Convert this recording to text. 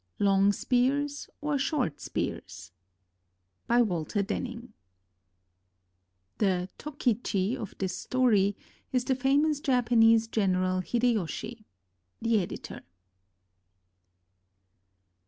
LONG SPEARS OR SHORT SPEARS BY WALTER DENING [The " Tokichi " of this story is the famous Japanese gen eral Hideyoshi. The Editor.